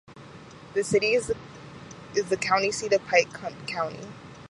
The city is the county seat of Pike County.